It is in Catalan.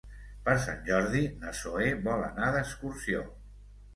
Per Sant Jordi na Zoè vol anar d'excursió.